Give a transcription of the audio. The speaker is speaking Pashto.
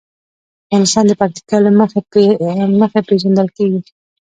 افغانستان د پکتیکا له مخې پېژندل کېږي.